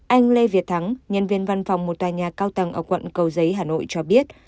anh lê việt thắng nhân viên văn phòng một tòa nhà cao tầng ở quận cầu giấy hà nội cho biết